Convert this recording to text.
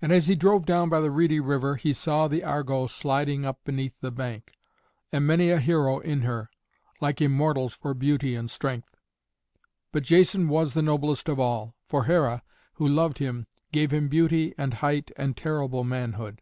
And as he drove down by the reedy river, he saw the Argo sliding up beneath the bank, and many a hero in her, like Immortals for beauty and strength. But Jason was the noblest of all, for Hera, who loved him, gave him beauty and height and terrible manhood.